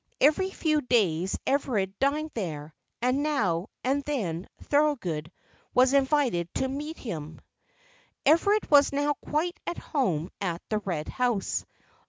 Every few days Everard dined there, and now and then Thorold was invited to meet him. Everard was now quite at home at the Red House.